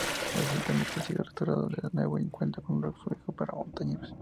Recientemente ha sido restaurada de nuevo y cuenta con un refugio para montañeros.